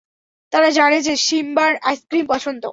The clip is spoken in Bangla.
তারা জানে যে, সিম্বার আইসক্রিম পছন্দ।